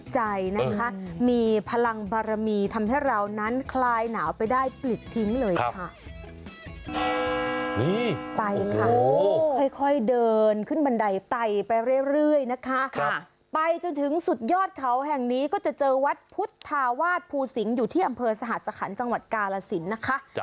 แห่งนี้ก็จะเจอวัดพุทธาวาดภูสิงห์อยู่ที่อำเภอสหรัฐสะขานจังหวัดกาลสินนะคะ